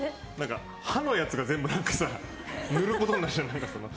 歯のやつが全部塗ることになっちゃうから。